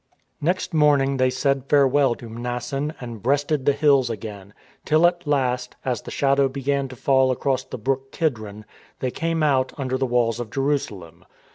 Next morning they said farewell to Mnason and breasted the hills again, till at last, as the shadows began to fall across the brook Kidron, they came out under the walls of Jerusalem.